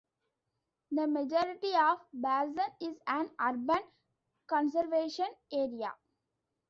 The majority of Balzan is an Urban Conservation Area.